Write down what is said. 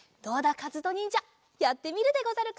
かずとにんじゃやってみるでござるか？